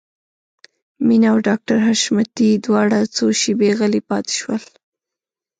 مينه او ډاکټر حشمتي دواړه څو شېبې غلي پاتې شول.